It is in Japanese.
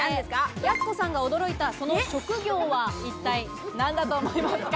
やす子さんが驚いた、その職業は一体何だと思いますか？